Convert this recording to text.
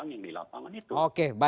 melibatkan orang yang di lapangan itu